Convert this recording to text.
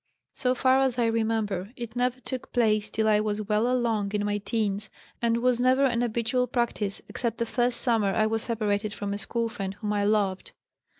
So far as I remember it never took place till I was well along in my 'teens and was never an habitual practice, except the first summer I was separated from a school friend whom I loved.